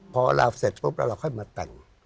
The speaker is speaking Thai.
พอลาบเสร็จปุ๊บแล้วเราค่อยมาแต่ง